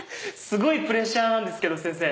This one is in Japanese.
すごいプレッシャーなんですけど先生。